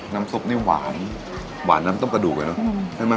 น้ำซุปนี่หวานหวานน้ำต้มกระดูกเลยเนอะใช่ไหม